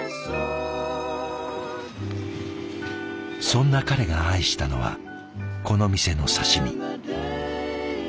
そんな彼が愛したのはこの店の刺身。